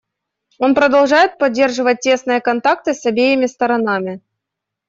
Он продолжает поддерживать тесные контакты с обеими сторонами.